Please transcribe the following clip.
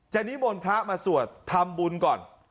จะนิบวลพระมาสวดทำบุญก่อน